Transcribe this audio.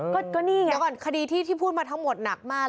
ก็นี่อย่างเงี้ยอย่างกว่าคดีที่ที่พูดมาทั้งหมดหนักมาก